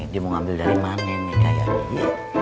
dia mau ngambil dari mana ini kayaknya